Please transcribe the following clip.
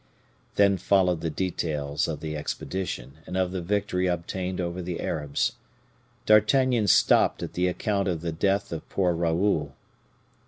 Then followed the details of the expedition, and of the victory obtained over the Arabs. D'Artagnan stopped at the account of the death of poor Raoul.